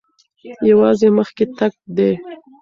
یوازې مخکې تګ دی.